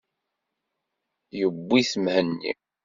Yewwi-t Mhenni.